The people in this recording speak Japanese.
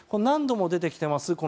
何度も出てきています